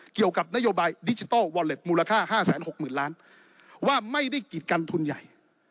เกี่ยวกับนโยบายดิจิทัลวอเล็ตมูลค่า๕๖๐๐๐ล้านว่าไม่ได้กิจกันทุนใหญ่